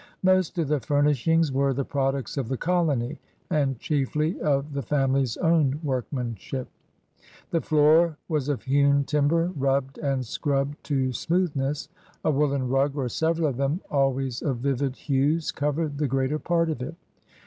Most of the furnishings were the products of the colony and chiefly of the family*s own workmanship. The floor was of hewn timber, rubbed and scrubbed to smoothness. A woolen rug or several of them, always of vivid hues, covered the greater part of it.